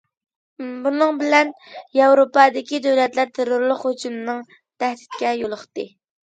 بۇنىڭ بىلەن ياۋروپادىكى دۆلەتلەر تېررورلۇق ھۇجۇمنىڭ تەھدىتكە يولۇقتى.